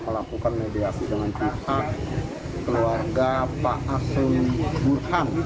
melakukan mediasi dengan pihak keluarga pak asem burhan